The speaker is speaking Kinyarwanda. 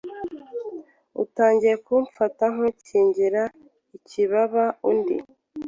utangiye kumfata nk’ ukingira ikibaba undi